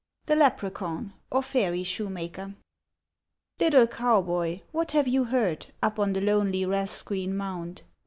THE LEPRACAUN OR FAIRY SHOEMAKER Little Cowboy, what have you heard, Up on the lonely rath's green mound?